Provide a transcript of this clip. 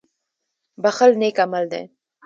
• بښل نېک عمل دی.